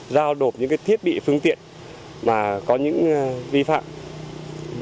giao đột những cái thiết bị phương tiện mà có những vi phạm